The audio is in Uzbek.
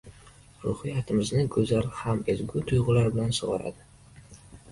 Ruhiyatimizni go‘zal ham ezgu tuyg‘ular bilan sug‘oradi.